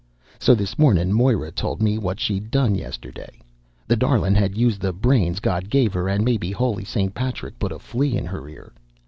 So this mornin' Moira told me what she'd done yesterday. The darlin' had used the brains God gave her, and maybe holy St. Patrick put a flea in her ear.